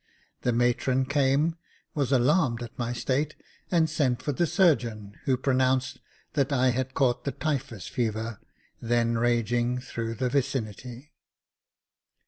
The matron came, was alarmed at my state, and sent for the surgeon, who pronounced that I had caught the typhus fever, then raging through the vicinity.